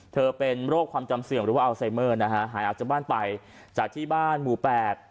เป็นโรคความจำเสื่อมหรือว่าอัลไซเมอร์นะฮะหายออกจากบ้านไปจากที่บ้านหมู่แปด